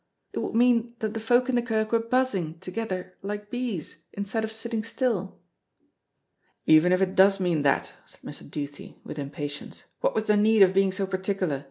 It would mean that the folk in the kirk were buzzing thegither like bees, instead of sitting still." "Even if it does mean that," said Mr. Duthie, with impatience, "what was the need of being so particular?